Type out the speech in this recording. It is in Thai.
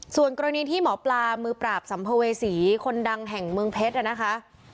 ส่วนกรณีที่หมอปลามือปราบสัมภเวษีคนดังแห่งเมืองเพชรนะคะ